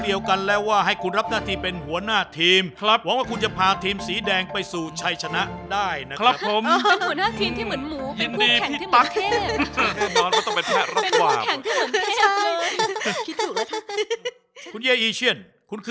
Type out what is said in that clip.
ตามประเทศนี้ปกติถ้ามีเขาอยู่